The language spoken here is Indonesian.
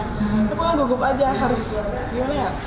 tapi pokoknya gugup aja harus gimana ya